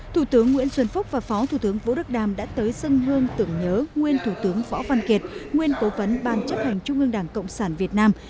thủ tướng nguyễn xuân phúc và phó thủ tướng vũ đức đam đã tới dân hương tưởng nhớ nguyên thủ tướng võ văn kiệt nguyên cố vấn ban chấp hành trung ương đảng cộng sản việt nam